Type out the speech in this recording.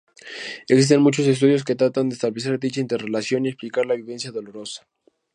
Existen muchos estudios que tratan de establecer dicha interrelación y explicar la vivencia dolorosa.